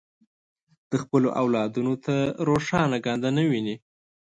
د خپلو اولادونو ته روښانه ګانده نه ویني.